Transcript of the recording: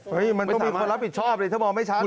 เฮ้ยมันต้องมีคนรับผิดชอบเลยถ้ามองไม่ช้าแล้ว